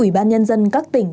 ủy ban nhân dân các tỉnh